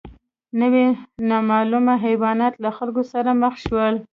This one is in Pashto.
نوي نامعلومه حیوانات له خلکو سره مخ شول.